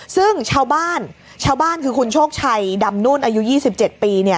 ซึ่งชาวบ้านชาวบ้านคือคุณโชคชัยดำนู่นอายุ๒๗ปี